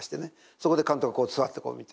そこで監督がこう座ってこう見てるんです。